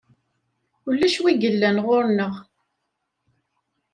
Ulac wi yellan ɣur-neɣ.